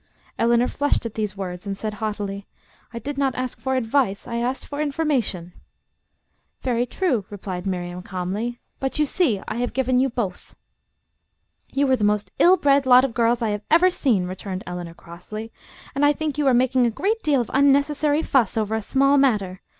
Eleanor flushed at these words and said haughtily, "I did not ask for advice, I asked for information." "Very true," replied Miriam calmly, "but you see I have given you both." "You are the most ill bred lot of girls I have ever seen," returned Eleanor crossly, "and I think you are making a great deal of unnecessary fuss over a small matter.